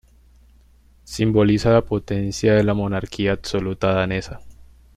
Simboliza la potencia de la monarquía absoluta danesa.